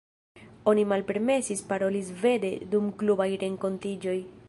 Oni malpermesis paroli svede dum klubaj renkontiĝoj.